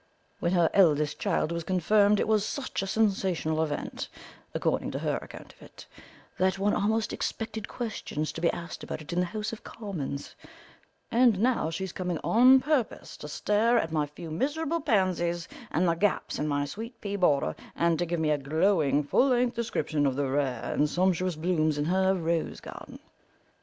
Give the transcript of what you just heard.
When her eldest child was confirmed it was such a sensational event, according to her account of it, that one almost expected questions to be asked about it in the House of Commons, and now she's coming on purpose to stare at my few miserable pansies and the gaps in my sweet pea border, and to give me a glowing, full length description of the rare and sumptuous blooms in her rose garden."